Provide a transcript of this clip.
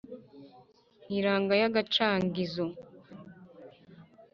nkiranya ya gacanzigo